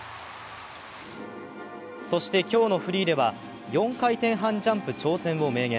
そして今日のフリーでは４回転半ジャンプ挑戦を明言。